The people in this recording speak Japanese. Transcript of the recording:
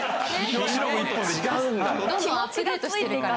どんどんアップデートしてるから。